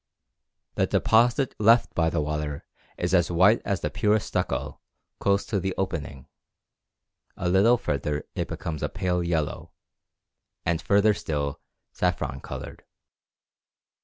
The deposit left by the water is as white as the purest stucco close to the opening, a little further it becomes pale yellow, and further still saffron coloured.